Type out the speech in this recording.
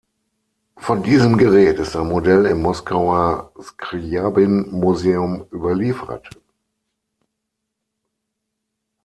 Von diesem Gerät ist ein Modell im Moskauer Skrjabin-Museum überliefert.